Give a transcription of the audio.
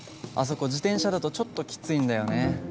あそこ自転車だとちょっときついんだよね。